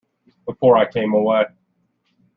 Before I came away.